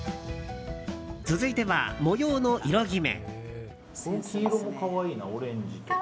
続いては模様の色決め。